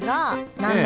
何だ？